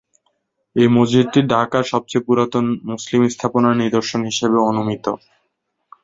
এই মসজিদটি ঢাকার সবচেয়ে পুরাতন মুসলিম স্থাপনার নিদর্শন হিসাবে অনুমিত।